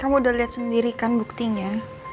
kamu udah lihat sendiri kan buktinya